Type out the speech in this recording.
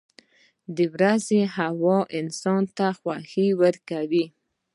• د ورځې هوا انسان ته خوښي ورکوي.